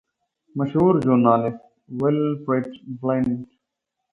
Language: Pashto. مشهور ژورنالیسټ ویلفریډ بلنټ.